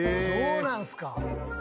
そうなんすか。